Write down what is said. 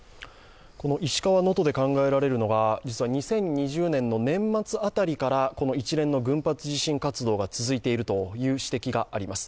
石川・能登で考えられるのが２０２０年の年末あたりからこの一連の群発地震活動が続いているという指摘があります。